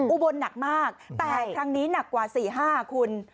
อุบลหนักมากแต่ครั้งนี้หนักกว่า๔๕คุณ